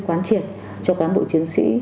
quán triệt cho cán bộ chiến sĩ